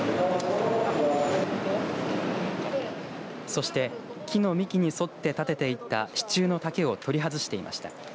そして木の幹に沿って立てていた支柱の竹を取り外していました。